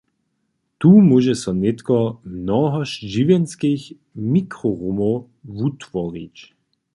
Tu móže so nětko mnohotnosć žiwjenskich mikrorumow wutworić.